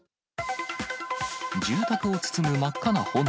住宅を包む真っ赤な炎。